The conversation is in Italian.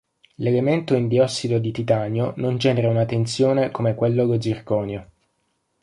L'elemento in diossido di titanio non genera una tensione come quello allo zirconio.